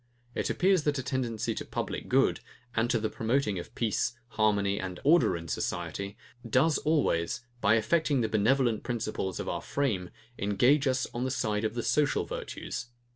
It appears that a tendency to public good, and to the promoting of peace, harmony, and order in society, does always, by affecting the benevolent principles of our frame, engage us on the side of the social virtues.